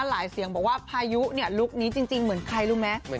หลายเสียงบอกว่าพายุเนี่ยลุคนี้จริงเหมือนใครรู้มั้ย